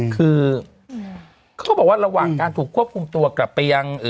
คือเขาก็บอกว่าระหว่างการถูกควบคุมตัวกลับไปยัง